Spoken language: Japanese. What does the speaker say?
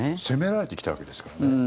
攻められてきたわけですからね。